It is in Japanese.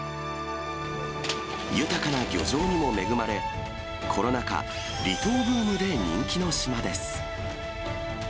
豊かな漁場にも恵まれ、コロナ禍、離島ブームで人気の島です。